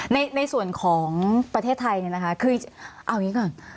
ในส่วนของประเทศไทยเนี่ยนะคะคือเอาอย่างนี้ก่อน